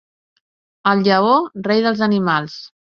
El lleó, rei dels animals.